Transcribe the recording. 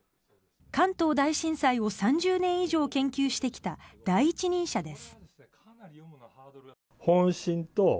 関東大震災を３０年以上研究してきた第一人者です。